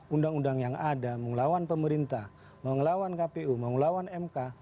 undang undang yang ada mengelawan pemerintah mengelawan kpu mengelawan mk